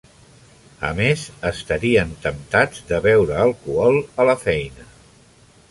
A més, estarien temptats de beure alcohol a la feina.